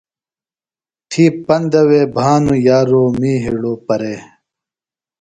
تھی پندہ وے بھانوۡ یارو می ہِڑوۡ پرے۔